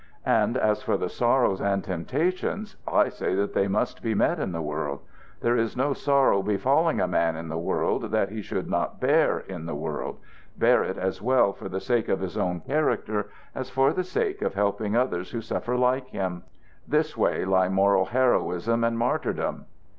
And as for the sorrows and temptations, I say that they must be met in the world. There is no sorrow befalling a man in the world that he should not bear in the world bear it as well for the sake of his own character as for the sake of helping others who suffer like him. This way lie moral heroism and martyrdom.